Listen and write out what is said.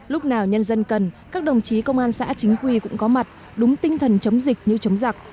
lúc nào nhân dân cần các đồng chí công an xã chính quy cũng có mặt đúng tinh thần chống dịch như chống giặc